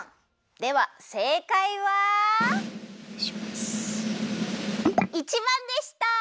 ではせいかいは１ばんでした！